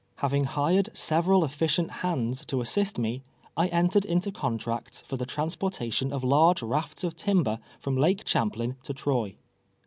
23 Having liired several efficient hands to assist me, I entered into contracts for the transportation of large rafts of tinil)er from Lake Champlain to Troy.